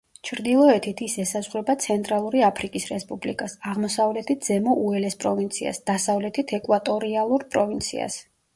ჩრდილოეთით ის ესაზღვრება ცენტრალური აფრიკის რესპუბლიკას, აღმოსავლეთით ზემო უელეს პროვინციას, დასავლეთით ეკვატორიალურ პროვინციას.